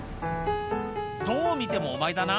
どう見てもお前だな？